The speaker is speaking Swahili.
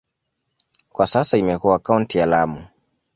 Kwa sasa imekuwa kaunti ya Lamu.